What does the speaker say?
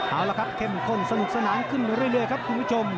เอาละครับเข้มข้นสนุกสนานขึ้นเรื่อยครับคุณผู้ชม